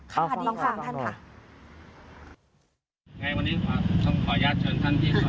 ต้องขออนุญาตเชิญท่านที่สนองก่อนนะครับอ๋อมันเราปฏิบัติหน้าที่ครับครับ